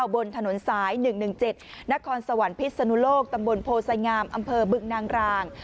บนถนนสาย๑๑๗นครสวรรค์พิศนุโลกตำบลโพสงามอำเภอบึงนางราง